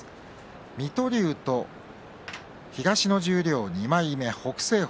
水戸龍と東の十両２枚目、北青鵬